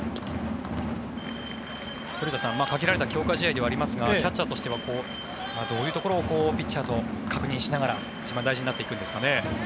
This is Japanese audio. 古田さん限られた強化試合ではありますがキャッチャーとしてはどういうところをピッチャーと確認しながら一番大事になっていくんですかね。